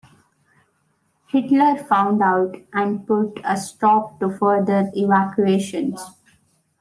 Hitler found out and put a stop to further evacuations.